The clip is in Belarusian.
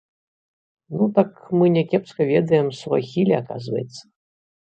Ну так, мы някепска ведаем суахілі, аказваецца.